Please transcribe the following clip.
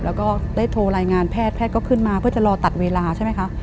แล้วก็ได้โทรรายงานแพทยแพทย์แพทย์ก็ขึ้นมาเพื่อจะรอตัดเวลาใช่ไหมคะ